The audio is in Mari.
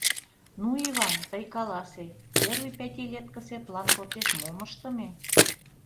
Ну, Иван, тый каласе: первый пятилеткысе план почеш мом ыштыме?..